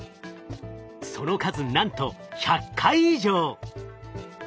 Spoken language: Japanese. その数なんと１００回以上。